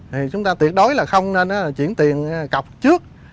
thì chúng ta tuyệt đối là không nên chuyển tiền cọc trước